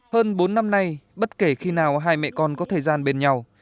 hơn bốn năm nay bất kể khi nào hai mẹ con có thời gian bên nhau